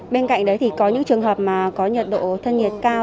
bên cạnh đấy thì có những trường hợp mà có nhiệt độ thân nhiệt cao